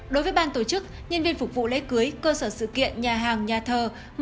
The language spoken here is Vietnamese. đối với ban tổ chức nhân viên phục vụ lễ cưới cơ sở sự kiện nhà hàng nhà thờ